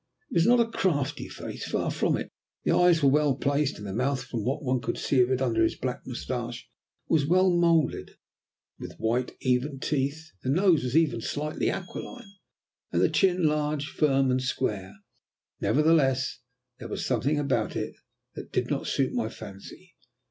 It was not a crafty face, far from it. The eyes were well placed; the mouth from what one could see of it under his black moustache was well moulded, with white, even teeth; the nose was slightly aquiline; and the chin large, firm, and square. Nevertheless, there was something about it that did not suit my fancy.